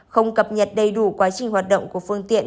không cập nhật đầy đủ quá trình hoạt động của phương tiện